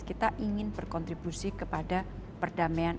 dan kita ingin berkontribusi kepada perdamaian